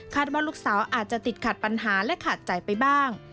ว่าลูกสาวอาจจะติดขัดปัญหาและขาดใจไปบ้าง